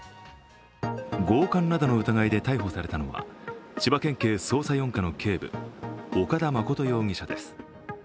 強姦などの疑いで逮捕されたのは、千葉県警捜査４課の警部、岡田誠容疑者です。